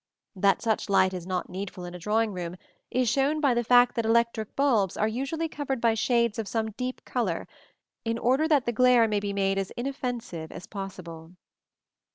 That such light is not needful in a drawing room is shown by the fact that electric bulbs are usually covered by shades of some deep color, in order that the glare may be made as inoffensive as possible.